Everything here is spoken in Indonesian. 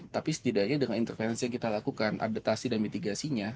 tapi setidaknya dengan intervensi yang kita lakukan adaptasi dan mitigasinya